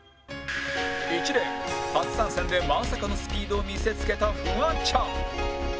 １レーン初参戦でまさかのスピードを見せ付けたフワちゃん